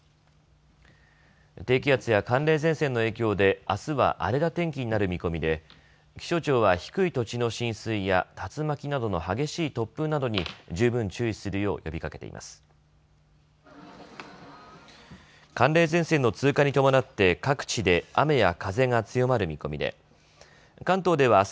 低気圧や寒冷前線の影響であすは荒れた天気になる見込みで気象庁は低い土地の浸水や竜巻などの激しい突風などに十分注意するよう呼びかけています。